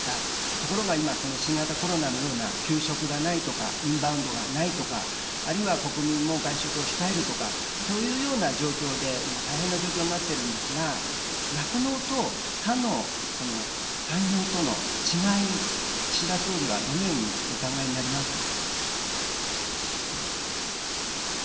ところが今、この新型コロナのような、給食がないとか、インバウンドがないとか、あるいは国民も外食を控えるとか、そういうような状況で、今、大変な状況になっているんですが、酪農と他の産業との違い、岸田総理はどのようにお考えになりますか。